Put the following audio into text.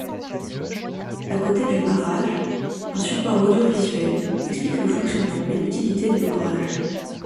À côté du barrage, un support audiovisuel explique le fonctionnement et l'utilité de l'ouvrage.